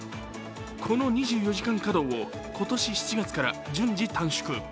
この２４時間稼働を今年７月から順次短縮。